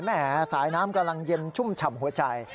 แม่สายน้ำกำลังเย็นชุ่มฉ่ำหัวใจ